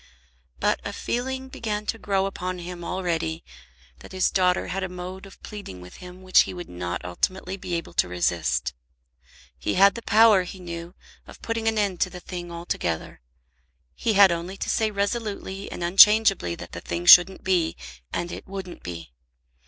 But a feeling began to grow upon him already that his daughter had a mode of pleading with him which he would not ultimately be able to resist. He had the power, he knew, of putting an end to the thing altogether. He had only to say resolutely and unchangeably that the thing shouldn't be, and it wouldn't be.